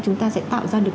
chúng ta sẽ tạo ra được